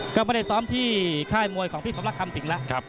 ก็ไม่ได้ซ้อมที่ค่ายมวยของพี่สมรักคำสิงห์แล้ว